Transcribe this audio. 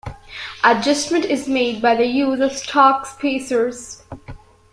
Adjustment is made by the use of stock spacers.